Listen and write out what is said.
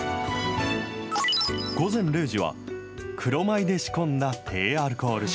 午前０時は、黒米で仕込んだ低アルコール酒。